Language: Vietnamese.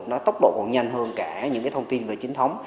nó tốc độ còn nhanh hơn cả những cái thông tin về chính thống